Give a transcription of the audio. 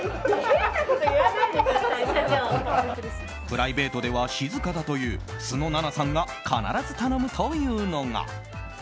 プライベートでは静かだという素の奈々さんが必ず頼むというのが。